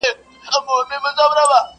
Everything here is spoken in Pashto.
کښتۍ وان یم له څپو سره چلېږم!.